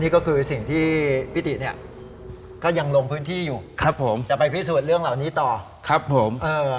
ก็ยังลงพื้นที่อยู่ครับผมจะไปพิสูจน์เรื่องเหล่านี้ต่อครับผมเออ